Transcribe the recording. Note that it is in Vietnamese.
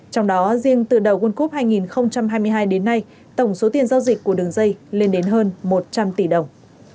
trong đó riêng từ đầu world cup hai nghìn hai mươi hai đến nay tổng số tiền giao dịch của đường dây lên đến hơn một trăm linh tỷ đồng